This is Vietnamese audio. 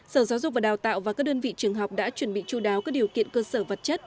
sở giáo dục và đào tạo và các đơn vị trường học đã chuẩn bị chú đáo các điều kiện cơ sở vật chất